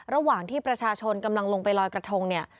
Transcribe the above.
ระหว่างที่ประชาชนกำลังลงไปลอยกระทงเนี่ย